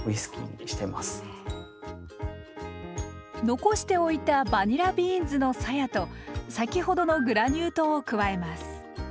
残しておいたバニラビーンズのさやと先ほどのグラニュー糖を加えます。